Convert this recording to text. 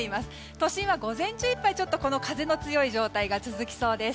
都心は午前中いっぱい風の強い状態が続きそうです。